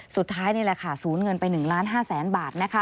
สุดท้ายนี่แหละค่ะสูญเงินไป๑ล้าน๕แสนบาท